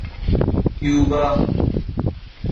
Cuba